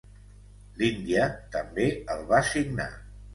L'Índia també el va signar.